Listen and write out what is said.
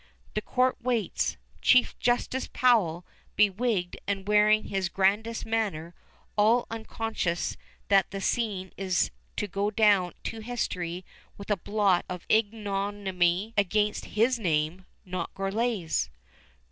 The court waits, Chief Justice Powell, bewigged and wearing his grandest manner, all unconscious that the scene is to go down to history with blot of ignominy against his name, not Gourlay's.